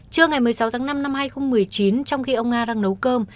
trưa ngày một mươi sáu tháng năm năm hai nghìn một mươi chín trong khi ông nga đang nấu cơm